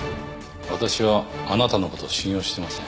私はあなたのことを信用していません。